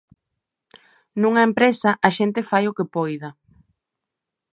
Nunha empresa a xente fai o que poida.